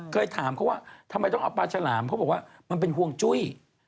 เคยถามเขาว่าทำไมต้องเอาปลาฉลามเขาบอกว่ามันเป็นห่วงจุ้ย